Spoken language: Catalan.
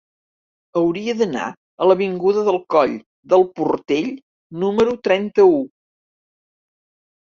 Hauria d'anar a l'avinguda del Coll del Portell número trenta-u.